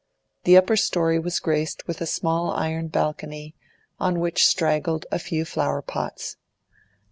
The upper storey was graced with a small iron balcony, on which straggled a few flower pots.